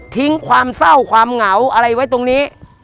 ทิ้งความเศร้าความเหงาอะไรไว้ตรงนี้